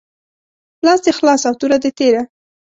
لاس دي خلاص او توره دي تیره